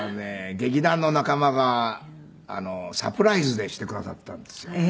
劇団の仲間がサプライズでしてくださったんですよ。